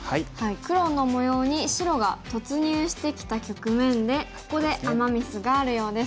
黒の模様に白が突入してきた局面でここでアマ・ミスがあるようです。